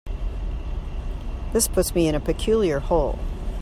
This puts me in a peculiar hole.